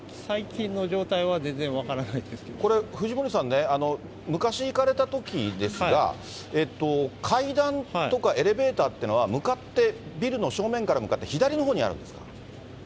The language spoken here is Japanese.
これ、藤森さんね、昔行かれたときですが、階段とかエレベーターとかっていうのは向かって、ビルの正面から向かって左のほうにあるんですか？